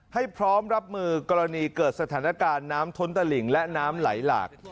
ให้พร้อมรับมือกรณีเกิดสถานการณ์น้ำท้นตะหลิงและน้ำไหลหลาก